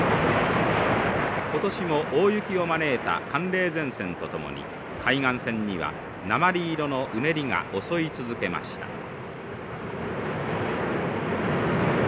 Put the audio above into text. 今年も大雪を招いた寒冷前線とともに海岸線には鉛色のうねりが襲い続けました。